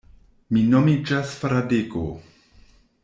Mi nomiĝas Fradeko.